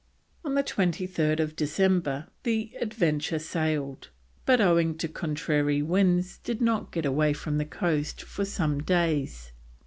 On 23rd December the Adventure sailed, but owing to contrary winds did not get away from the coast for some days.